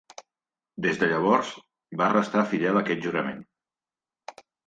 Des de llavors va restar fidel a aquest jurament.